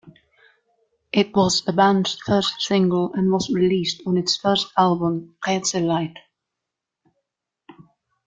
It was the band's first single and was released on its first album, "Herzeleid".